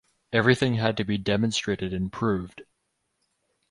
Everything had to be demonstrated and proved.